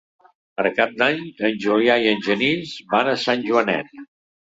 Per Cap d'Any en Julià i en Genís van a Sant Joanet.